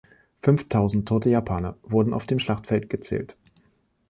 Fünftausend tote Japaner wurden auf dem Schlachtfeld gezählt.